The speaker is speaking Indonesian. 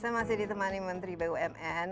saya masih ditemani menteri bumn